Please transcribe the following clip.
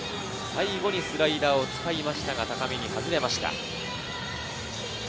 最後にスライダーを使いましたが、高めに外れました。